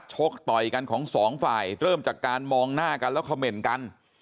การทะเลาะวิวาสชกต่อยกันของสองฝ่ายเริ่มจากการมองหน้ากันแล้วคอมเมนต์กัน